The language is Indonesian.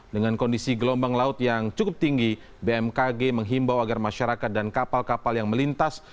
dengan kondisi gelombang laut yang cukup tinggi bmkg menghimbau agar masyarakat dan kapal kapal yang melintas